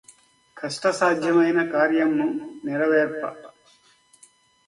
కష్టసాధ్యమైన కార్యమ్ము నెరవేర్ప